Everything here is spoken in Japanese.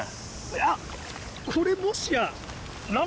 あっこれもしや。